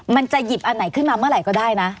มันจะหยิบอันไหนขึ้นมาเมื่อไหร่ก็ได้นะ